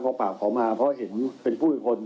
คดีฆ่าคอมาเพราะเห็นเป็นผู้มิถิพล